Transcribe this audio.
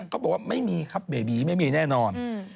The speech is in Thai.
ก็บอกว่าไม่มีครับเบบีไม่มีแน่นอน